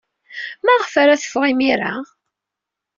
Maɣef ara teffeɣ imir-a?